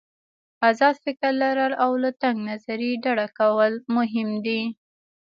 آزاد فکر لرل او له تنګ نظري ډډه کول مهم دي.